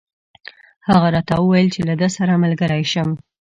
هغه راته وویل چې له ده سره ملګری شم.